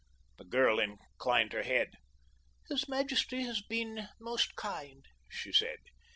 The girl inclined her head. "His majesty has been most kind," she said.